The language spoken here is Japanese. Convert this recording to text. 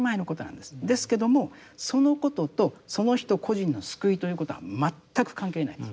ですけどもそのこととその人個人の救いということは全く関係ないです。